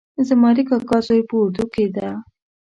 زما د کاکا زوی په اردو کې ده